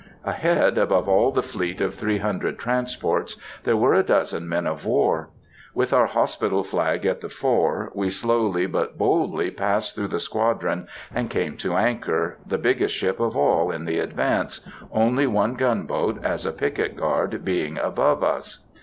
Ahead, above all the fleet of three hundred transports, there were a dozen men of war. With our hospital flag at the fore, we slowly but boldly passed through the squadron, and came to anchor, the biggest ship of all, in the advance,—only one gunboat, as a picket guard, being above us.